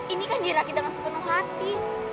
ini kan dirakit dengan sepenuh hati